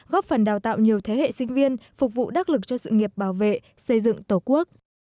góp phần đào tạo nhiều thế hệ sinh viên phục vụ đắc lực cho sự nghiệp bảo vệ xây dựng tổ quốc